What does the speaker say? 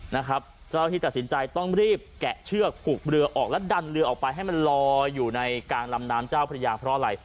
เจ้าหน้าที่ตัดสินใจต้องรีบแกะเชือกกุกเรือออกและดันเรือออกไปให้มันลอยอยู่ในกลางลำน้ำเจ้าพระยาเพราะอะไร